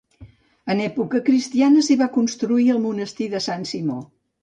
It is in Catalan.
En època cristiana s'hi va construir el monestir de Sant Simó.